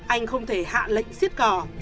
anh không thể hạ lệnh xiết cỏ